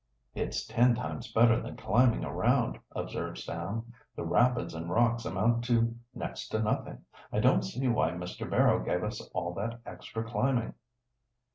"It's ten times better than climbing around," observed Sam. "The rapids and rocks amount to next to nothing. I don't see why Mr. Barrow gave us all that extra climbing."